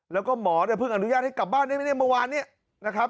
แล้วก็หมอพึ่งอนุญาตให้กลับบ้านเมื่อวานนี้นะครับ